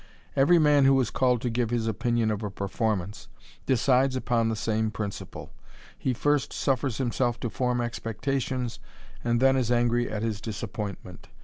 Every man who is called to give his opinion of a performance, decides upon the same principle \ he first suffers himself to form expectations, and then \& angry at his disappointment.